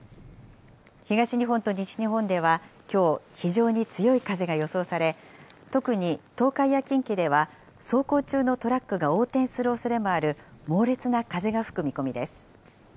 東日本と西日本ではきょう、非常に強い風が予想され、特に東海や近畿では走行中のトラックが横転するおそれもある猛烈な風が吹く見込みです。